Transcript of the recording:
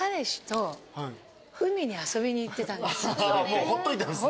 もうほっといたんですね。